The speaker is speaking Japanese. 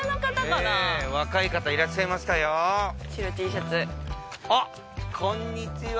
若い方いらっしゃいましたよ白いＴシャツあっこんにちは